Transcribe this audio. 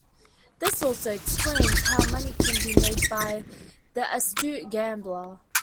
This also explains how money can be made by the astute gambler.